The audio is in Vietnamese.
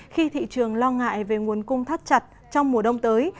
khi thị trường lo ngại về nguồn cung thắt chặt trong mùa đông tới